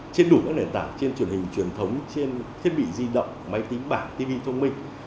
trên đủ các nền tảng trên truyền hình truyền thống trên thiết bị di động máy tính bảng tv thông minh